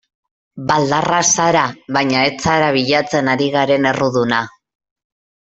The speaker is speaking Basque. Baldarra zara baina ez zara bilatzen ari garen erruduna.